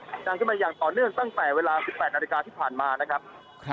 สะเบิดนั่งขึ้นมาอย่างต่อเนื่องตั้งแต่เวลาสิบแปดนาฬิกาที่ผ่านมานะครับครับ